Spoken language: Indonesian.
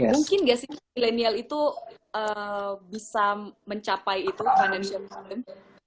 mungkin gak sih milenial itu bisa mencapai itu financial show